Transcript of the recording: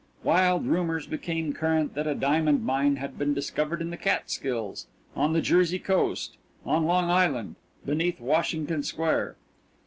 Wild rumours became current that a diamond mine had been discovered in the Catskills, on the Jersey coast, on Long Island, beneath Washington Square.